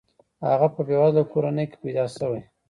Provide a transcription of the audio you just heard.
هغه په بې وزله کورنۍ کې پیدا شوی.